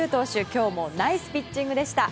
今日もナイスピッチングでした。